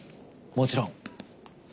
もちろん。